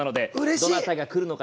どなたが来るのか